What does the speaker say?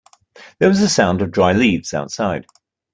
There was a sound of dry leaves outside.